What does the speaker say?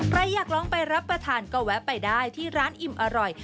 ใครอยากลองไปรับประทานก็แวะไปได้ที่ร้านอิ่มอร่อย